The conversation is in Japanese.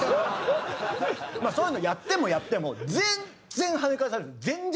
そういうのをやってもやっても全然跳ね返される。